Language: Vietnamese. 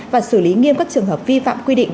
và xử lý nghiêm các trường hợp vi phạm quy định